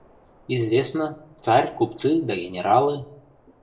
Известно, царь, купцы да генералы...